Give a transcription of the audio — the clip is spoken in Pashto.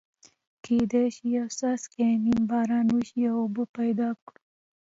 کېدای شي یو څاڅکی نیم باران وشي او اوبه پیدا کړو.